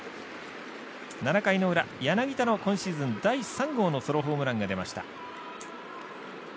７回の裏、柳田の今シーズンの第３号のソロホームランが出ました。